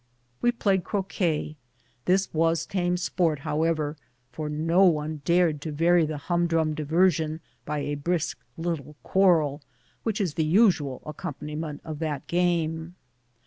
We played croquet. This was tame sport, however, for no one dared to vary the hum drum diversion by a brisk little quarrel, which is the usual accompaniment of that game.